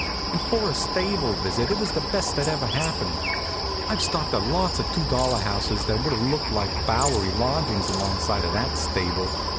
And for a stable visit it was the best that ever happened. I've stopped at lots of two dollar houses that would have looked like Bowery lodgings alongside of that stable.